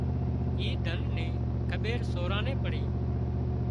اي ڌن نِي کٻيرسوران نين پڙي